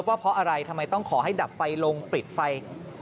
ว่าเพราะอะไรทำไมต้องขอให้ดับไฟลงปิดไฟ